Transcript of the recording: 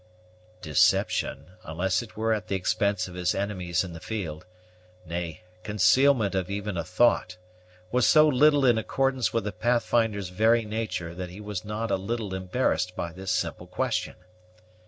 Deception, unless it were at the expense of his enemies in the field, nay, concealment of even a thought, was so little in accordance with the Pathfinder's very nature, that he was not a little embarrassed by this simple question.